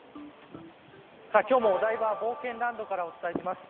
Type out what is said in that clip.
今日もお台場冒険ランドからお伝えします。